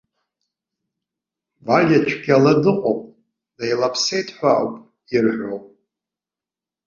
Валиа цәгьала дыҟоуп, деилаԥсеит ҳәа ауп ирҳәо!